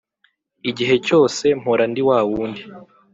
igihe cyose mpora ndi wa wundi